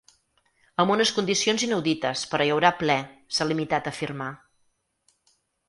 Amb unes condicions inaudites però hi haurà ple, s’ha limitat a afirmar.